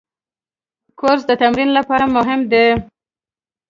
کورس د تمرین لپاره مهم دی.